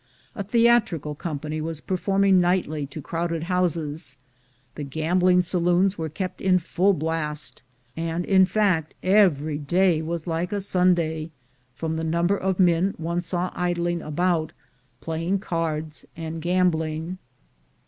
A theatrical company was performing nightly to crowded houses; the gambling saloons were kept in full blast; and in fact, every day was like a Sunday, from the number of men one saw idling about, play ing cards, and gambling.